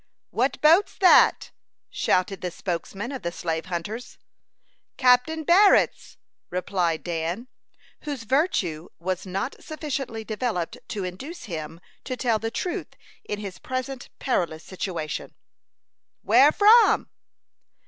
"What boat's that?" shouted the spokesman of the slave hunters. "Captain Barrett's," replied Dan, whose virtue was not sufficiently developed to induce him to tell the truth in his present perilous situation. "Where from?"